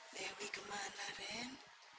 dewi kemana ren